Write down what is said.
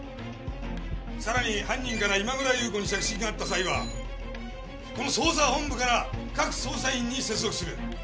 さらに犯人から今村優子に着信があった際はこの捜査本部から各捜査員に接続する。